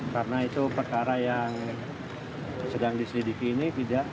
karena itu perkara yang sedang diselidiki ini